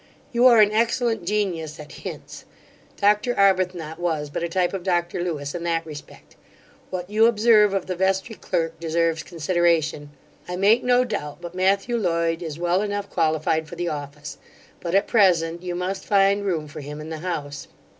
You are an excellent genius at hints. Dr Arbuthnot was but a type of Dr Lewis in that respect. What you observe of the vestry clerk deserves consideration. I make no doubt but Matthew Loyd is well enough qualified for the office; but, at present, you must find room for him in the house.